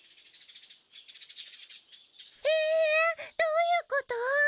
えぇどういうこと！？